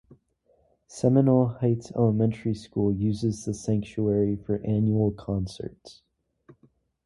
Seminole Heights Elementary School uses the sanctuary for annual concerts.